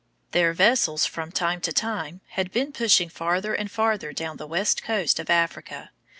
Their vessels, from time to time, had been pushing farther and farther down the west coast of Africa.